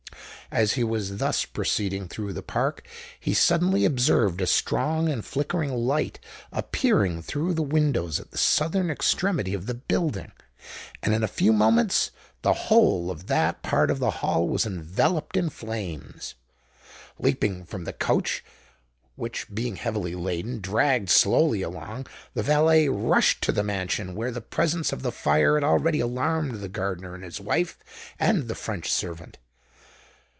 As he was thus proceeding through the park, he suddenly observed a strong and flickering light appearing through the windows at the southern extremity of the building; and in a few moments the whole of that part of the Hall was enveloped in flames. Leaping from the coach, which, being heavily laden, dragged slowly along, the valet rushed to the mansion, where the presence of the fire had already alarmed the gardener and his wife, and the French servant.